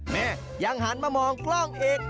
แม่ยังหันมามองกล้องอีก